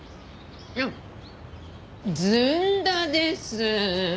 あっずんだです！